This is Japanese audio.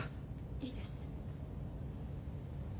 いいです。